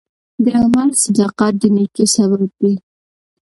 د عمل صداقت د نیکۍ سبب دی.